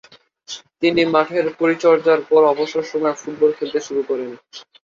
তিনি মাঠের পরিচর্যার পর অবসর সময়ে ফুটবল খেলতে শুরু করেন।